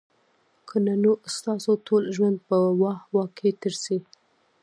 که نه نو ستاسو ټول ژوند به په "واه، واه" کي تیر سي